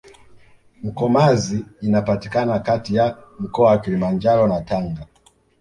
mkomazi inapatikana Kati ya mkoa wa kilimanjaro na tanga